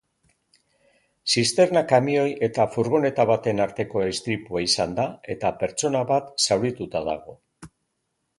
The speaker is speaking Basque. Zisterna-kamioi eta furgoneta baten arteko istripua izan da eta pertsona bat zaurituta dago.